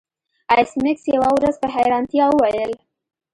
ایس میکس یوه ورځ په حیرانتیا وویل